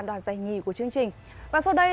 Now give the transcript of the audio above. đoạt giải nhì của chương trình và sau đây